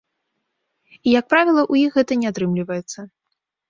І як правіла, у іх гэтага не атрымліваецца.